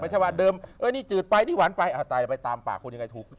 ไม่ใช่ว่าเดิมนี่จืดไปนี่หวานไปอ่ะตายไปตามป่าคนยังไงถูก